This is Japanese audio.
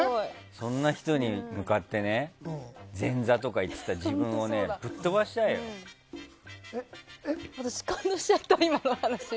そんな人に向かって前座とか言ってた自分を私、感動しちゃった今の話。